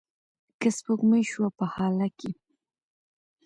که سپوږمۍ شوه په هاله کې